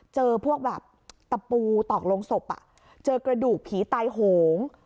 เจอพวกแบบตะปูตอกลงศพเจอกระดูกผีตายโหง